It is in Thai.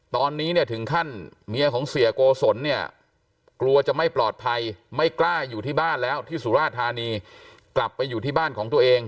ตอนนี้เนี่ยถึงขั้นเมียของเสียโกศลเนี่ยกลัวจะไม่ปลอดภัยไม่กล้าอยู่ที่บ้านแล้วที่สุราธานีกลับไปอยู่ที่บ้านของตัวเอง